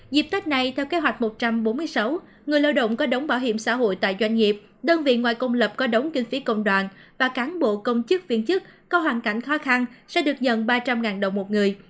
dịp tết này theo kế hoạch một trăm bốn mươi sáu người lao động có đóng bảo hiểm xã hội tại doanh nghiệp đơn vị ngoài công lập có đóng kinh phí công đoàn và cán bộ công chức viên chức có hoàn cảnh khó khăn sẽ được nhận ba trăm linh đồng một người